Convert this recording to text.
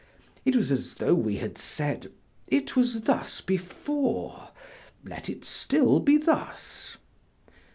It was as though we had said: "It was thus before, let it still be thus."